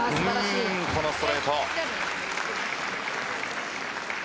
このストレート。